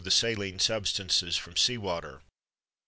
the saline substances from sea water.